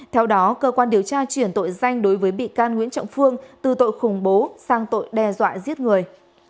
theo đó cơ quan điều tra chuyển tội danh đối với bị can nguyễn trọng phương từ tội khủng bố sang tội đe dọa giết người